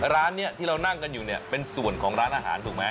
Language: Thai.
ร้านนี้ที่เรานั่งกันอยู่เนี่ยเป็นส่วนของร้านอาหารถูกไหม